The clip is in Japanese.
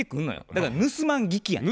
だから盗まん聞きやねん。